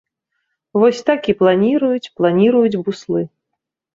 Вось так і планіруюць, планіруюць буслы.